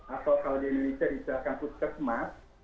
atau kalau di indonesia di kampus kemas